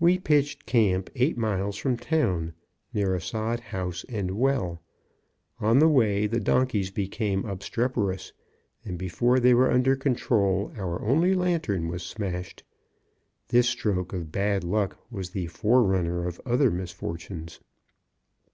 We pitched camp eight miles from town, near a sod house and well. On the way the donkeys became obstreperous, and before they were under control, our only lantern was smashed. This stroke of bad luck was the forerunner of other misfortunes.